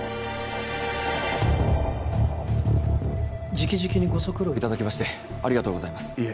直々にご足労いただきましてありがとうございますいえ